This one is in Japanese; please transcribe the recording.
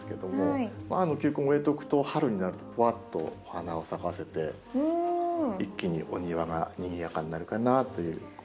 球根を植えておくと春になるとふわっとお花を咲かせて一気にお庭がにぎやかになるかなという。